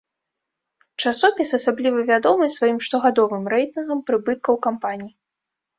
Часопіс асабліва вядомы сваім штогадовым рэйтынгам прыбыткаў кампаній.